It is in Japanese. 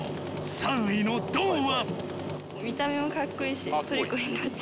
３位の銅は。